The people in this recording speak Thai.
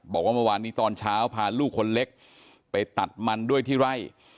บอกว่าเมื่อวานนี้ตอนเช้าพาลูกคนเล็กไปตัดมันด้วยที่ไร่